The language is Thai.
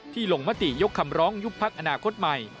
ลงมติยกคำร้องยุบพักอนาคตใหม่